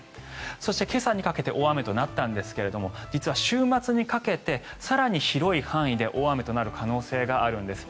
そして今朝にかけて大雨となったんですが実は週末にかけて更に広い範囲で大雨となる可能性があるんです。